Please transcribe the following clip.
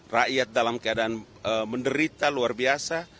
rakyat dalam keadaan menderita luar biasa